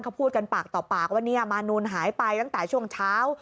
เขาพูดกันปากต่อปากว่าเนี่ยมานูนหายไปตั้งแต่ช่วงเช้า